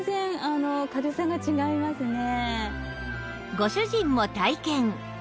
ご主人も体験